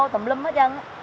tùm lum hết trơn